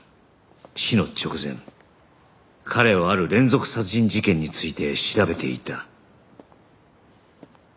死の直前彼はある連続殺人事件について調べていた